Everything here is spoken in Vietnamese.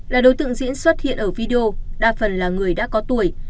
là đối tượng diễn xuất hiện ở video đa phần là người đã có tuổi